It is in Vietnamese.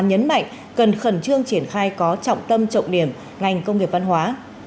nhấn mạnh cần khẩn trương triển khai có trọng tâm trọng điểm ngành công nghiệp văn hóa